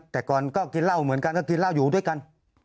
แต่ก่อนก็กินเหล้าเหมือนกันก็กินเหล้าอยู่ด้วยกัน